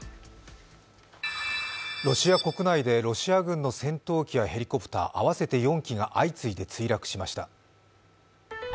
ロシア国内でロシア軍の戦闘機やヘリコプター合わせて４機が相次いで墜落しました。